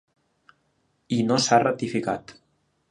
I no s’ha ratificat.